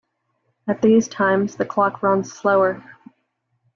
At these times, the clock runs slower.